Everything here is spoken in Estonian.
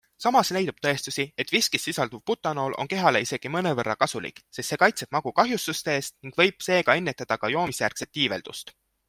Samas leidub tõestusi, et viskis sisalduv butanool on kehale isegi mõnevõrra kasulik, sest see kaitseb magu kahjustuste eest ning võib seega ennetada ka joomisjärgset iiveldust.